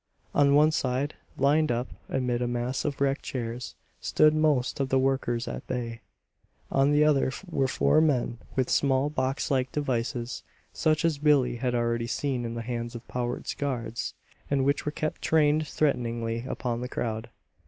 On one side, lined up amid a mass of wrecked chairs, stood most of the workers at bay. On the other were four men with small boxlike devices, such as Billie had already seen in the hands of Powart's guards, and which were kept trained threateningly upon the crowd.